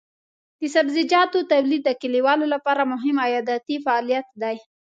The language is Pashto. د سبزیجاتو تولید د کليوالو لپاره مهم عایداتي فعالیت دی.